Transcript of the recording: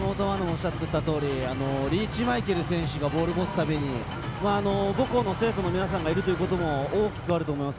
リーチ・マイケル選手がボールを持つたびに、母校の生徒の皆さんがいるということも大きくあると思います。